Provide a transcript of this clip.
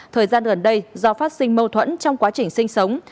thời gian gần đây do phát sinh mâu thuẫn trong quá trình sinh sống